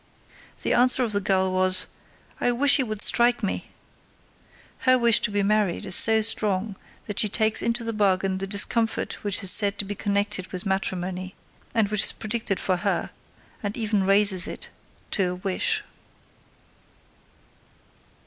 The answer of the girl was: "I wish he would strike me!" Her wish to be married is so strong that she takes into the bargain the discomfort which is said to be connected with matrimony, and which is predicted for her, and even raises it to a wish.